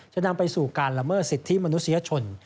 จะนำไปสู่การละเมิดสิทธิมนุษยชน